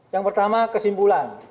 yang pertama kesimpulan